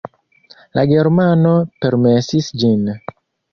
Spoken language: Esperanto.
La germano permesis ĝin.